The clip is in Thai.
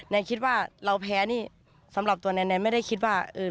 คิดว่าเราแพ้นี่สำหรับตัวแนนไม่ได้คิดว่าเออ